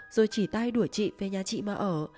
rồi chỉ tay đuổi chị về nhà chị mà ở